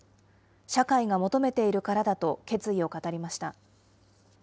社会が求めているからだと決意を語りました。